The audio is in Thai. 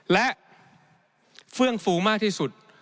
และเฟื่องฟูมากที่สุด